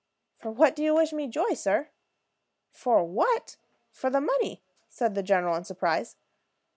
"For what do you wish me joy, sir?" "For what? For the money," said the general, in surprise.